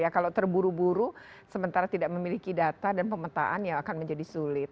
kalau terburu buru sementara tidak memiliki data dan pemetaan yang akan menjadi sulit